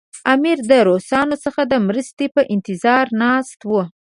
امیر د روسانو څخه د مرستې په انتظار ناست وو.